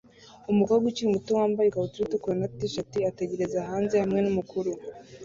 Umukobwa ukiri muto wambaye ikabutura itukura na t-shirt ategereza hanze hamwe numukuru